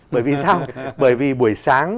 bởi vì sao bởi vì buổi sáng